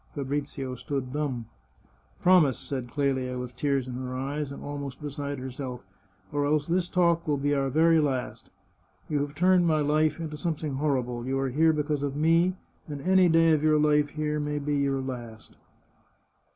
Fabrizio stood dumb. " Promise," said Clelia, with tears in her eyes, and almost beside herself, " or else this talk will be our very last. You have turned my life into something horrible. You are here because of me, and any day of your life here may be your last."